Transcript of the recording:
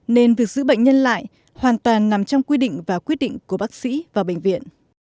nên việc giữ bệnh nhân lại hoàn toàn nằm trong quy định và quyết định của bác sĩ và bệnh viện